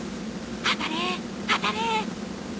当たれ当たれ！